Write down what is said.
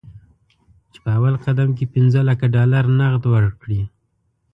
چې په اول قدم کې پنځه لکه ډالر نغد ورکړي.